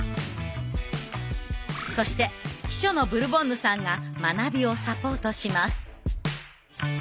そして秘書のブルボンヌさんが学びをサポートします。